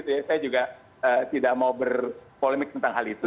saya juga tidak mau berpolemik tentang hal itu